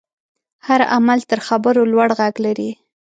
هر عمل تر خبرو لوړ غږ لري.